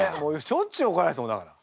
しょっちゅうおこられてたもんだから。